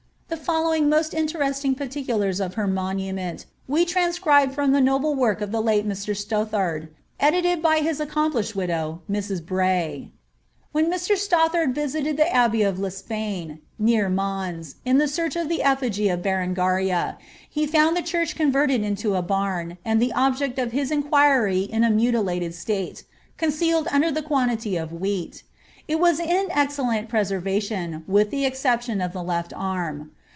The following most interesting particulars of her monument, we transcribe from the noble work of the late Mr. Stothard, edited by his accomplished widow, .Mrs. Bray. ^When Mr. Stothard visited the abbey of L^pan, near Mans, in search of the effigy of Berengaria, he found the church converted into a bam, and the object of his inquiry in a mutilated state, concealed under a quantity of wheat It was in excellent preservation, with the exception of the left arm.